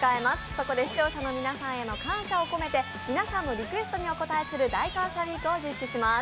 そこで視聴者の皆さんへの感謝を込めて皆さんのリクエストにお応えする大感謝ウィークを実施します。